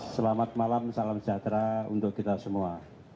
selamat malam salam sejahtera untuk kita semua